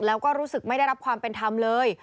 แล้วก็รู้สึกไม่ได้รับความเป็นธรรมเลย